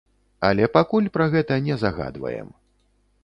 Але пакуль пра гэта не загадваем.